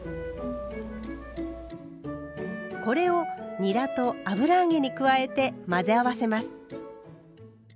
これをにらと油揚げに加えて混ぜ合わせます。